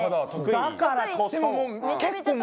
だからこそ。